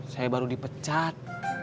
saya baru dipecat